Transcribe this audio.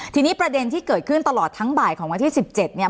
ทีนี้ประเด็นที่เกิดขึ้นตลอดทั้งบ่ายของวันที่๑๗เนี่ย